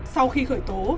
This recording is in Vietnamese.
sau khi khởi tố